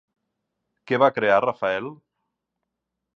Què va crear Rafael?